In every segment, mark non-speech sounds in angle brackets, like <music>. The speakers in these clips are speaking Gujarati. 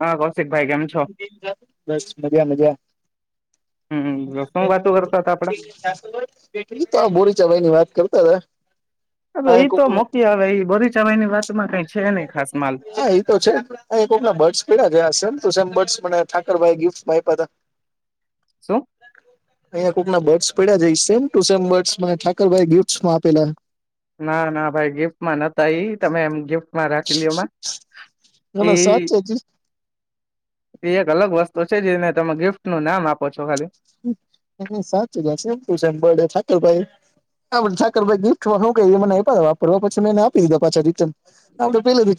હા ક <inaudible> બસ મજા મજા હમ શું વાતો કરતા હતા તો આ બોરી ચલાઈ ની વાત કરતા હતા હવે ઈ તો કોક મકી આવે ઈ બરીચવાય ની વાત માં ખાય હા એ તો છે અ કોમના બર્ડસ પ્યા જમ તોમ <unintelligible> ઠાકરાઈ ગફ આપ અહ શું કોકના બર્ પડ્યા જે સેમ ટુ સેમ બડસ મારે ઠાકરા ભાઇ ગિફ્ટ માં આપેલા ના ના ભાઈ ગિફ્ટમાં માં નોતા ઈ તમે એમ ગિફ્ટ મા રાખલી ઓમાં એ ના સાચે જ એ એક અલગ વસ્તુ છે જેને તમે ગિફ્ટ નું નામ આપો છો ખાલી સાચ સેમ ટુ સેમ બડે સાાકરભાઈ સાકર ભાઈ ગિફ્ટ શું ક મને વાપરવા પછી મેને આપી દીધા પાછા રિટર્ન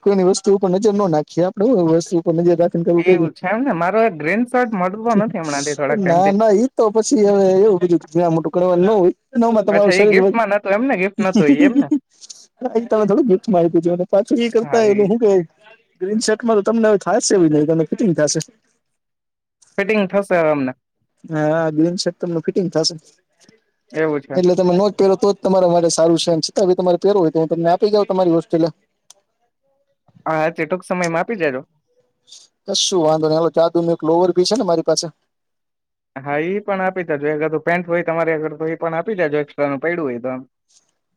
પે ની વસ્તુ ઉપર નજર ના નાખીએ આપણે વસ્તુ જે દાખલ કરવું કે એવું છે એમ ને મારો એક ગ્રીન શર્ટ મળતો નથી હમણાંથી થોડાક ના ટાઈમથી ના ઈ તો પછી હવે એવું બીધું જ્યાં મોટું કરવાનું ન હોયમાં અચ્છા તમારું એ શરીર બ ગિફ્ટમાં નતો એમને ગિફ્ટ નતો એ એમને તમે થોડુંક ગીત માહિતી જો પાછું એ કરતા હોય એલે હું ક ગ્રીન શર્ટમાં તો તમને હવે થાયશે જ છે નઈ ત ફિટિંગ થશે ફિટિંગ થશે હવે આમને હા જીન્ શર્ટ તમ ફિટિંગ થાશે એવું છે એટલે તમે નો પેરો તો તમારા માટે સારું છે છતાં તમારે પેારું હોય તો હું તમને આપી જાઉં તમારી હોસ્ટેલે હા તે ટૂક સમય મા આપી જજો કશું વાંધો ન જાદુ ન એક લોવર ભી છે ને મારી પાસે હા પણ આપી ત જોધ પેન્ટ હોય તમારે અગર તો એ પણ આપી જજો એક્સ્ટ્રા નું પડું હોય તો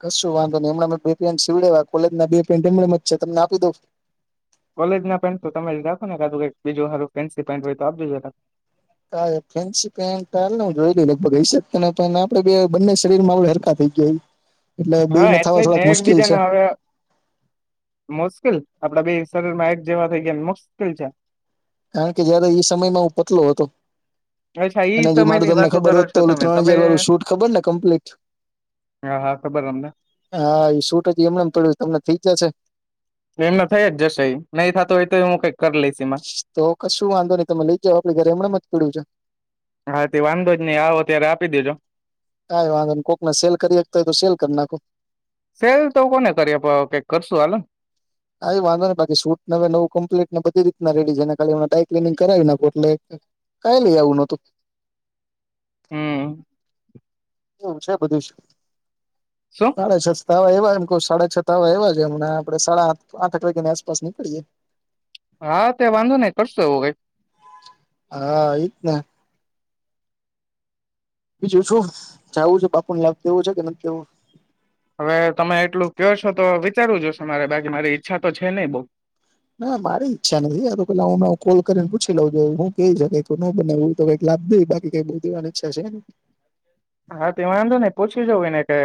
કશું વાંધો નને એમણાં બે પેન્ટ સીવડે કોલેજ ના બે પેન્ટ એમ જ છે તમને આપી દઉ કોલેજ ના પેન્ટ તો તમે જ રાખો ને કાુંઈ બીજું હરું ફેન્સી પેન્ટ હોય તો આપજજો હા ફેન્સી પેન્ટ જોઈ લ લગભગ હઈ શ આપડે બે બંને શરીર માં આપ હરકત થ ગય હા એટલે એક બીજાને હવે મુશ્કેલ આપડાે બે શરીર માં એક જેવા થઇ ગયા મુશ્કેલ છે કારણ કે જયારે એ સમયમાં હું પતલો હતો અચ્છા ઈ અને જે મારું સમયની તમને વાતો ખબર કરો હોત તો છો ઓલું તમે ત્રણ હજાર વાળું શૂટ ખબર ને કમ્પ્લીટ હાા હા એ શૂટ હત એમને પડ્યું તમને થઇ જશે એમને થઈ જશે નહી થતો હોય તો એ હું કઈક કરી લઈશ એમાં તો ક શું વાંધો નહી તમે લઈ જાવ આપડી ઘરે એમણેમ જ પીડું છે હા તે વાંધો જ નહી આવો ત્યારે આપી દેજો ક વાગ કોક ના સેલ કરીતા હોય તો સેલ કર ના નાક સેલ તો કોને કરીએ કઈક કરશું હાલો આવી વાંધો ને બાકી શૂટ નવે નવું કમ્લીટ ને બધી રીતના રેડી છે ને ખાલી હ ડાય ક્લીનિંગ કરાવી નાખૂ એટલે કઈ લઈ આવું નતું હમ્મ. એમ છે બધું શું સાડે છસ્તા એમ સાડા છતા હોય એવા છેમને આપડે સાડા આઠ આઠ આઠ વાગ્યાની આસપાસ નીકળીએ હા તે વાંધો નહી કરશો એવું કઈક હા એજ ને બીજું શું જાવું છે બાપુને લાભ દવો છે કે નથ દેવો હવે તમે એટલું ક્યો છો તો વિચારવું જોશે મારે બાકી મારી ઈચ્છા તો છે નહી બો ના મારી ઈચ્છા નથી <unintelligible> તો પેલા હું કોલ કરીને પૂછી લઉં જો હું <unintelligible> બાકી કઈ બો દેવાની ઈચ્છા છે નઈ હા તો વાંધો ને પછી જઉું ને કે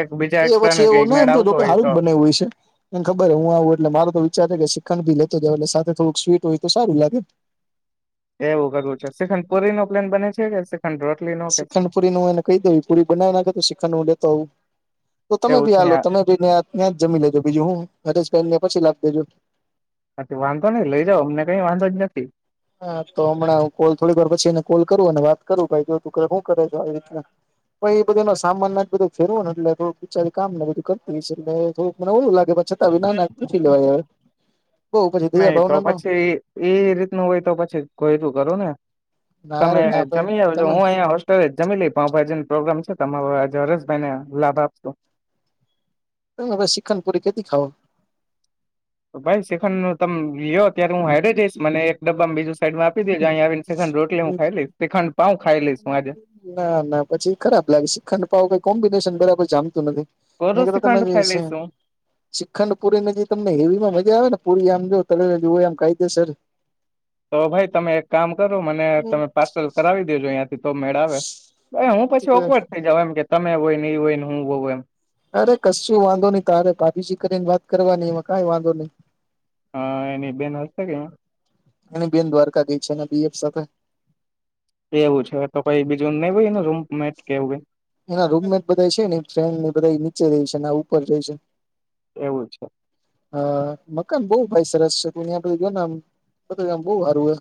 એક બીજા એ એક્સ્ટ્રા ને પછી એવું કઈક ના મેળ એમ તો જો આવતો હોય હારું તો જ બનેવું હોય છે એમ ખબર હું આવું એટલે મારો તો વિચાર કે શી ખંડ ભી લેતો જાવ એટલે સાથે થોડુંક સ્વીટ હોય તો સારું લાગે. એવું કરવું છે શિખંડ પુરી નો પ્લેન બને છે કે શ્રીખંડ રોટલી નો કે શું શ્રીખંન પુરી નું એને કહી દઉ પુરી બનાવી નાખે શ્રીખંડ હું લેતો આવું તો તમે એવું ભી છે આ લો તમે ભી ત્યા ત્યાં જમી લેજો બીજું હું હરેશભાઈને પછી લાવી દેજો હ વાંધો નઈ લઈ જાાવ અમને કઈ વાંધો જ નથી હા તો હમણાં કોલ થોડી વાર પછી એ કોલ કરું વાત કરું ભાઈ જો તું શું કરે આવી રીતના પ એ બધ નો સામાન ના બધો ફેરવ ને એટલે થું બ વિચા કામ ને બધ કરું હોય છે એટલે થું મને એવું લાગે અચ્છા ત વિના નાખું લેવાય બઉ પછી દયા નહી તો ભાવના નો પછી એ રીતનું હોય તો પછી કોયતું કરું ને ના તમે રે ના ભાઈ જમી આવજો તમે હું અહીંયા હોસ્ટેલ જમી લઈ પાવ ભાજીનો પ્રોગ્રામ તમારો આ જરસ ભાઈને લાભ આપશો તમે શિખણ પૂરી કેતી ખાવ ભાઈ શ્રીખંડનું તમ લયો ત્યારે હું હાઈડ્રે જઈશ મને એક ડબ્બા માં બીજું સાઈમાં આપી દેજો આવીને શીખન રોટલી હું ખાઈ લઈશ <unintelligible> હું આજે ના ના પછી ખરાબ લાગે શીખંડ પાાવ કોમ્બિનેશન બરાબર જામતું નથી કોરું એનાકતા તમે શ્રીખંડ ખાઈ લઈશ હું શ્રીખંડ પુરીને જે તમને હેવીમાં મજા આવે ને પુરી આમ <unintelligible> જુઓ એમ કાઈદેસર તો ભાઈ તમે એક કામ કરો મને તમે પાર્સલ કરાવી દેજો અંયા તો મેળ આવે હું પછી ઓકવર્ટ થઈ જાવ એમ કે તમે હોય ને એ હોય ને હું હોવ એમ અરે કશું વાંધો નહી તારે ભાભીજી કરીને વાત કરવાની એમાં કઈ વાંધો નહી હા એની બેન હશે કે એની બેન દ્વારકા ગઈ છે એના બીએફ સાથે એવું છે તો કઈ બીજું નઈ હોય ને રૂમ એના રૂમમેટ બધા છે ને ફ્રેડ ને બધા નીચે ર છે ઉપર ર છે કઈ એવું છે હ મકાન બો ભાઈ સરસ છે <unintelligible> જો ને આમ બધું હારુ હૈ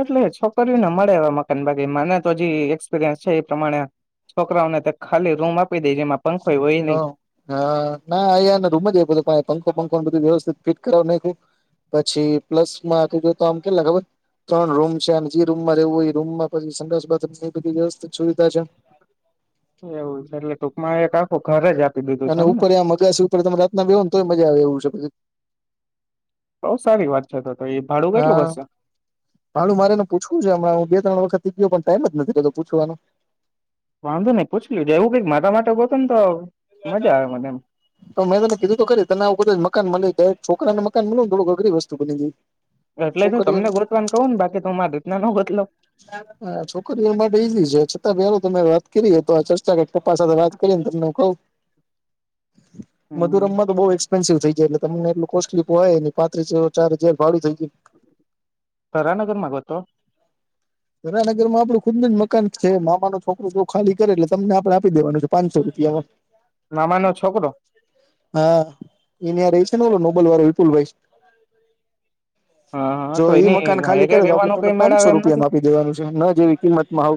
એટલે છોકરીઓને મળે એ મકાન બાકી મને તો જે એક્સપિરિયન્સ છે એ પ્રમાણે છોકરાઓને ખાલી રૂમ આપી દે જેમાં પંખોય હોય હ નહી હા ના અયા રૂમ જ <unintelligible> પંખો બંખો બધી વ્યવસ્થા ફિટ કરાવ ન પછી પ્લસ માંતું જો તો આમ કેટલા ખબર ત્રણ રૂમ છે અને જે રૂમમાં રહેવું હોય એ રૂમમાં પછી સંડાસ બાથરૂમ બધી વ્યવસ્થિત સુવિધા છે એવું છે એટલે ટૂંકમાં એક આખું ઘરે જ આપ અને ઉપરએ અગાસી ઉપર તમે રાતના બેહો ને તોય મજા આવે એવું છે બઉ સારી વાત છે તો તો એ ભાડું કેટલું હા હશે ભાડું મારેને પૂછવું છે હમણાં હું બે ત્રણ વખતથી ગયો પણ ટાઈમ જ નથી રહતો પૂછવાનો વાંધો ની પૂછ લેજો એવું કઈક મારા માટે ગોતો ને તો મજા આવે મને એમ તો મેં તને કીધું તો કરી તને <unintelligible> મકાન <unintelligible> છોકરાને મકાન મલુ થોડુક અઘરી વસ્તુ બની ગઈ એટલે તું છોકરીઓ તમને ગોતવાને કવ ને બાકી તો મા દૂતના ન ગોતલો હા છોકરીઓ માટે ઈજી છે, છતાં પેલા તમે વાત કરીયે તો આ ચર્ચા <unintelligible> વાત કરીને તમને કહું હમ, મધુરમમાં તો બો એક્સપેન્સિવ થઈ જાય એટલે તમને એટલું કોસ્ટલીય પાહાઈ ની પા ત્રીસો ચાર હજાર ભાડું થઇ ગયું. થરાનગર મા ગોતો? થરાનગરમાં આપડું ખુદનું જ મકાન છે, મામાનો છોકરો જો ખાલી કરે એટલે તમને આપણે આપી દેવાનું છે, પાંચસો રૂ પીયામા મામાનો છોકરો હા ઈનયારેશ છે ને નોબલ વાળો વિપુલભાઈ હ હ જો તો ઈ એની મકાન ખાલી હાયરે કરે તો આપડે રેવાનો તને કઈ પાંચસો મેળાવે એમ નથી રૂપિયામાં આ પી દેવાનું છે, હમણા જે વીપીમત મહાવ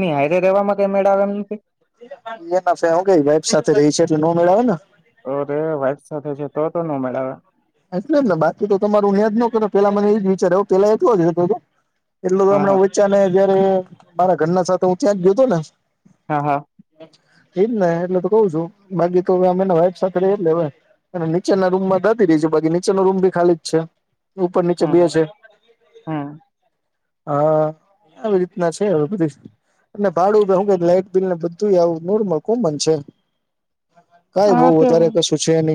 ની હાયરે રેવામા કય મેળ આવે એમ નથી. એ ના ફે હું કેઈ વાઈફ સાથે રહી છે, એટલે ન મેળ આવેને ઓ રે વાઈફ સાથે છે, તો તો નય મેળ આવે એટલે જ ને બાકીતો તમારું ન્યાદ ન કર પેલા મને એ જ વિચાર આવ પેલા એતો જ હતો. એટલે તો હા હમણાં હા વચ્ચા ને જયારે મારા ઘરના સાથે હું ત્યાં જ ગયો હતો ને હા હા એ એ જ ને એટલે તો કઉ છું બાકી તો અવે ન વાઈફ સાથે <unintelligible> અને નીચેના રૂમમાં દ <unintelligible> છે બાકી નીચેનો રૂમ ભી ખાલી જ છે. ઉપર નીચે બે હમ છે હમ હા. આવી રીતના છે, હવે બધી અને ભાડું હું કે લાઈટ બિલ ને બધું આવું નોરમલ કોમન છે. કઈ હા બોવ વધારે કશું છે નય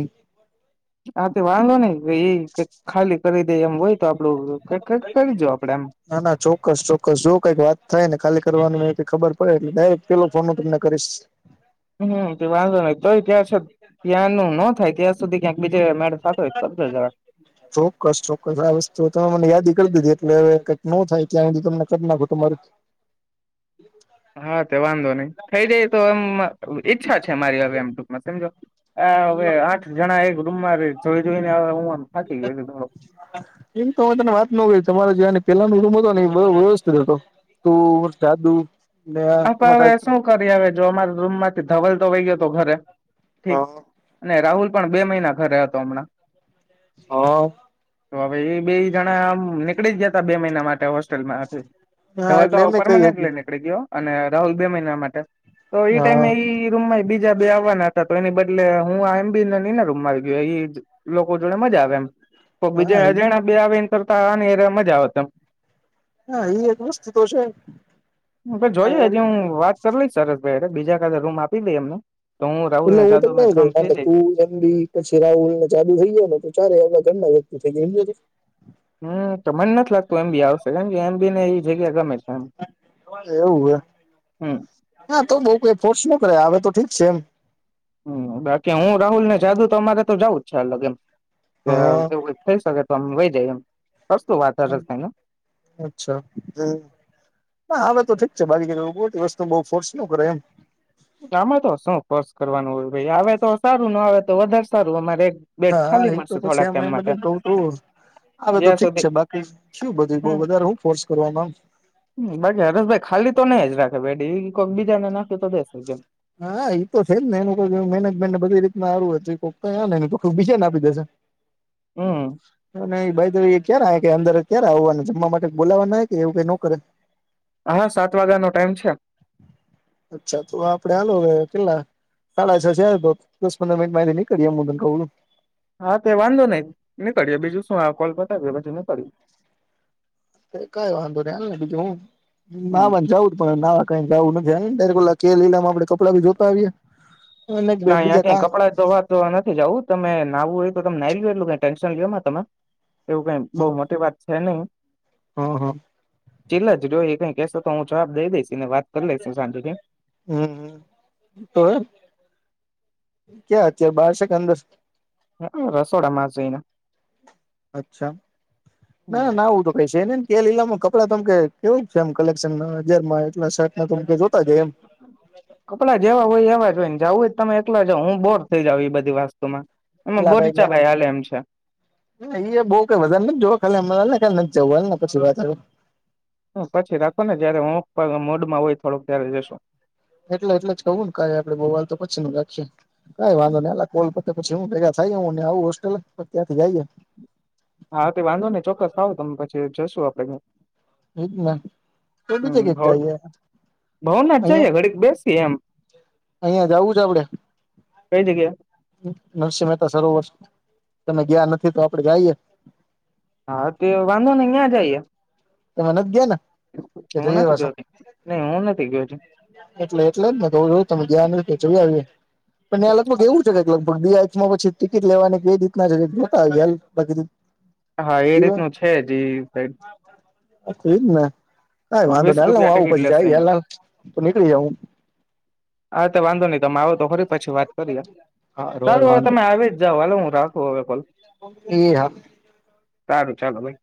આ તે વાંધો ને એ કઈ ખાલી કરી દે એમ હોય તો આપડું કઈક કઈક કરીજો આપડે એમ ના ના ચોક્કસ ચોક્કસ જો કઈક વાત થાયને ખાલી કરવાનું ખબર પડે એટલે દાયરેકટ પેલો ફોન હું તમને કરીશ હમ વાંધો નહી તોય ત્યાં છ ત્યાં નો ન થાય ત્યાં સુધી ક્યાંક બી ચોક્કસ ચોક્કસ આ વસ્તુ તમે મને યાદી કરી દીધી એટલે હવે ન થાય ત્યાં સુધી તમને કટ નાખો તમારુ હા તે વાંધો નય થઇ જાય તો એમ ઈચ્છા છે, મારી હવે એમ ટૂંકમાં સમજો આ હવે આઠ જણા એક રૂમમાં રેય જોઈ જોઈને અવે ઉ આમ થાકી ગયો છે થોડો એમ તો તને વાત ન જયા એના પેલા ન રૂમ હતો ને એ બધો વ્યવસ્થિત હતો તું દાદુ આપ હવે શું કરી એ અવે જો અમારા રૂમ માંથી ધવલ તો વહી ગયો હતો ઘરે ઠીક હા અને રાહુલ પણ બે મહિના ઘરે હતો હમણાં હા તો હવે એ બે જણા આમ નીકળી જ ગયાતા બે મહિના માટે હોસ્ટેલમાંથી હા ધવલ એટલે તો એમે કઈ હકી પરમાનેન્ટલી નીકળી ગયો અને રાહુલ બે મહિના માટે તો એ ટાઈમે હા ઈ રૂમમા બી બીજા બે આવવાના હતા તો એની બદલે હું એમ બી ના રૂમમાં આવી ગયો એ લોકો જોડે મજા આવે એમ તો બીજા હા અજાણા બે આવે એન કરતા મજા આવે તે હા એ એક વસ્તુ તો છે. હા જોઈએ એમ હજી હું વાત કરી લઈશ સરસ ભાઈ બીજા કા રૂમ આપી દેય એમને તો હું રાહુલ ને જાદુ મે ત્રણ થઈ જાય એટલે <unintelligible> <inaudible> હમ તો મને નથી લાગતું એમ બી આવશે કેમ કે એમ બી ને એ જગ્યા ગમે એમ એવું હે હમ હા તો બઉ કઈ ફોર્સ ન કરે આવે તો ઠીક છે એમ હ બાકી હું રાહુલ ને જાદુ તો અમારે તો જઉું જ છે, અલગ એમ કે હા એવું થઇ શકે તો અમ વહી જાય એમ કશું વાત જ કઈ ને અચ્છા હવે, તો ઠીક છે, બાજ જ એ વસ્તુ બહુ ફોર્સ, ન કરે એમ આમાં તો શૌ કોર્ષ કરવાનુ હોય, ભાઈ આવે તો સારુ ન આવે, તો વધારે સારુ અમારે બેડ હા, ખાલી એ તો મળશે પછી, થોડાક ટાઈમ એમમ માટે બધું ક તું હવે, તો જ્યાં ઠીક સુધી છે, બાકી શું બધું બ વધારે હું ફોર્સ કરવાવામાંમ બાકી હરેશભાઈ ખાલી, તો નહી જ રાખે બેડી કોક બીજા ને નાખ્યું તો દ હા, એ તો છેજ, ને એનું કો મેનેજમેન્ટને બધી રીત <unintelligible> પાપા હાયને બીજાને આપી દેશે હમ અને અને બાય થઈ વે ક્યારે, આવે કે અદર ક્યારે આવવાનું જમવા માટે બોલાવાનુ કે એવું કઈ ન કરે હા, સાત વાગ્યાનોો ટાઈમ છે. અચ્છા, તો આપડે આલો કેટલા ચાલે છે, દસ પંદર મિનટમાંથી નઈ કરીમુ, તને કહ છુ. હા, તે વાંધો નઈ, નીકળ્યો બીજું શું કોલ બતાવીએ પછી નીકળ્યુ કઈ, વાંધો નને બીજુ હુ હમ નાવા જઉુ જ પણ નાવા કઈ જવું નથી. જ, ત કે લીલામાં આપડે કપડાં ભી જોતા આવીએ અને બે ના બીજા ક્યા કા કપડા ધોવા, તો નથી જાવું તમે નાુ હોય તમને આવીયો એટલું ક ટેન્શન, લ તમે એવું કઈ બઉુ મોટી વાત છે, નહી હમ્મ, હમ્મ ચીલ જ જોઈ, એ કઈ કેહેશો તો હું જવાબ દઈ દઈશ ને વાત ક, લેસો સાજતે હમ તો ક્યાં અત્યારે બાર છે, કે અંદર હ, રસોડા માસઈના. અચ્છા, ના ના ના આવુ તો ક છેને કે લીલામાં કપડાં તમ કેવું છે, એમ કલેક્શન ના હજારમાં એટલા શર્ટ ત કપડા જેવા હોય, એવા ને જવુ, તમે એકલા જ જા હું બોર થઈ જઉ એ બધી વાસ્તુમા ભાઈ બઉ કઈ વધારે, જોવા ખાલીમ જ હોને પછી, વાતું પછી, રાખો ને જયારે, હ મોડમાં હોય થોડોક ત્યારે જશો એટલે એટલે જ કવું ને કા આપડે બોુવાલ તો પછી ન રાખી કઈ વાંધો નહી, કોલ પછી હું ભેગા થાય હ આવું હોસ્ટેલ, ત્યાંથી જઈે હા, તે વાંધો ને ચોક્કસ ખાવો તમે પછી જશું આપડે એ બી હમ જગ્યા ભવનાથ જઈએ અહિયા ઘડીક બેસી એમ અહિયાં જવુ છે. આપડે કઈ જગ્યા નરસિહ મહેતા સરોવરષ તમે ગયા નથી તો આપડે જઈએ. હા, તે વાંધો નને અ્યાં જાયએ તમે નથી, ગયા ને એ હું નથી જઈવા છુ ગયો નહી હું નથી ગયો છું એટલે એટલે જ ને જો, તમે જયા ન કે જ આવીએ પણ ત્યાં લગભગ એવું છે, કે ગ દી હમા પછી ટિકિટ લેવાની કઈ રીતના છે. જોતા હા, એ રીતનું છે, જ સાઈ હ થ, એ જ ને હા, વાંધો ન વીસ હ હ રૂપિયા આવું ટિકિટ પછી લેશે જઈ, અહિયાં હ તો નીકળી જ હુ હા, તો વાંધો નહી, તમે આવો તો ખરી પછી વાત કરી હારું સારુ હાલ હવે, વાંધો તમે આવી જ જાઓ હલે હુ રાખુ હવે કોલ એ હ સારું ચાલો ભાઈ